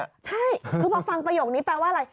ใช่คือพอฟังประโยคนี้แปลว่าอะไร